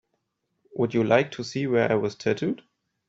Would you like to see where I was tattooed?